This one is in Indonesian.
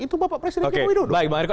itu bapak presiden joko widodo